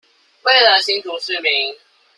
為了新竹市民